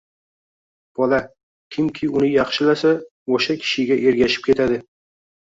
Bola, kimki uni yaxshi-lasa, o‘sha kishiga ergashib ketadi.